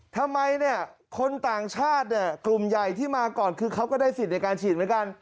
ทำไมเนี่ยคนต่างชาติเนี่ยกลุ่มใหญ่ที่มาก่อนคือเขาก็ได้สิทธิ์ในการฉีดเหมือนกัน